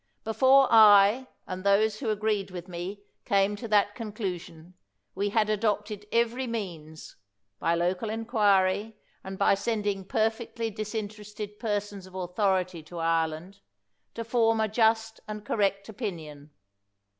Be fore I and those who agreed with me came to that conclusion, we had adopted every means —^ by local inquiry and by sending perfectly dis interested persons of authority to Ireland — to form a just and correct opinion.